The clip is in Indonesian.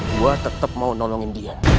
gue tetap mau nolongin dia